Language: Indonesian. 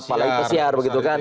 apalagi pesiar begitu kan